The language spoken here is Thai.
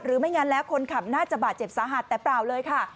ไม่งั้นแล้วคนขับน่าจะบาดเจ็บสาหัสแต่เปล่าเลยค่ะ